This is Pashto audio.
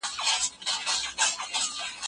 د کلتور د پایداری لپاره، نوموړي باید همکارۍ ولري.